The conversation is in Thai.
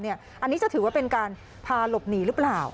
อันนี้จะถือว่าเป็นการพาหลบหนีหรือเปล่า